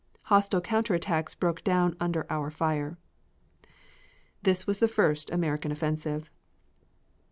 Hostile counter attacks broke down under our fire." This was the first American offensive.